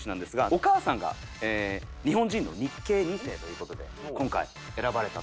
お母さんが日本人の日系二世という事で今回選ばれた。